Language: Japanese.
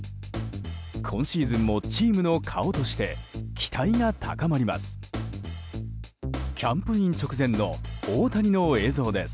今シーズンもチームの顔として期待が高まります。